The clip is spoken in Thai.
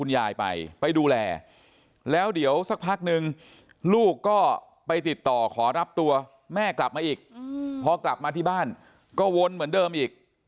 อย่างหนึ่งลูกก็ไปติดต่อขอรับตัวแม่กลับมาอีกพอกลับมาที่บ้านก็วนเหมือนเดิมอีก